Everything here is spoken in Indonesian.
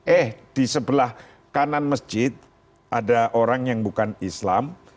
eh di sebelah kanan masjid ada orang yang bukan islam